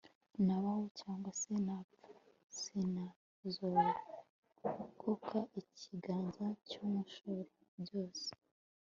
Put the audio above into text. nabaho cyangwa se napfa, sinazarokoka ikiganza cy'umushoborabyose